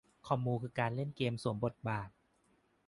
คอมมูคือการเล่นเกมสวมบทบาท